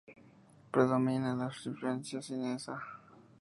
Predomina la influencia sienesa.